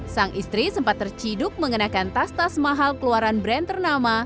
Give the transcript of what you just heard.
sang istri sempat terciduk mengenakan tas tas mahal keluaran brand ternama